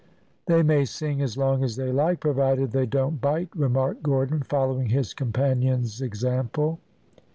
"They may sing as long as they like, provided they don't bite," remarked Gordon, following his companions' example.